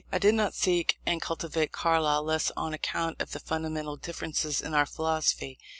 I did not seek and cultivate Carlyle less on account of the fundamental differences in our philosophy.